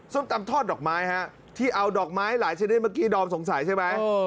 ส้มตำทอดดอกไม้ฮะที่เอาดอกไม้หลายชนิดเมื่อกี้ดอมสงสัยใช่ไหม